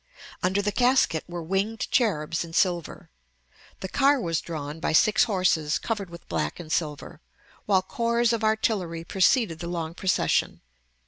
Under the casket were winged cherubs in silver. The car was drawn by six horses covered with black and silver, while corps of artillery preceded the long procession.